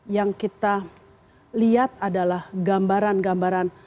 yang kita lihat adalah gambaran gambaran